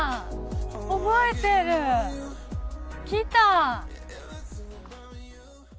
覚えてる。来た。